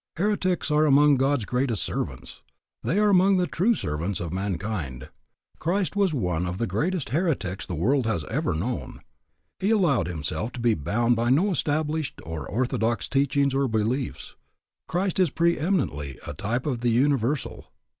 Heretics are among God's greatest servants. They are among the true servants of mankind. Christ was one of the greatest heretics the world has ever known. He allowed himself to be bound by no established or orthodox teachings or beliefs. Christ is preëminently a type of the universal.